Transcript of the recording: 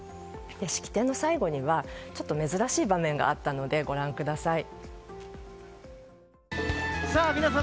式典の最後には珍しい場面があったのでご覧ください。